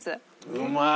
うまい！